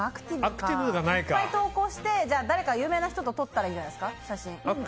いっぱい投稿して誰か有名な人と写真撮ったらいいんじゃないですか？